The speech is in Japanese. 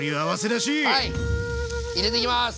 入れていきます。